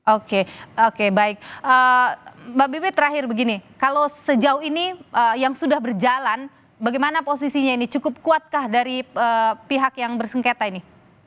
oke oke baik mbak bibit terakhir begini kalau sejauh ini yang sudah berjalan bagaimana posisinya ini cukup kuatkah dari pihak yang bersengketa ini